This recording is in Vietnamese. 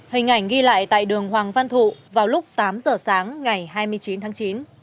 hình ảnh ghi lại tại đường hoàng văn thụ vào lúc tám giờ sáng ngày hai mươi chín tháng chín